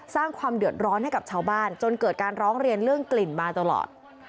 สร้างความเดือดร้อนให้กับชาวบ้านจนเกิดการร้องเรียนเรื่องกลิ่นมาตลอด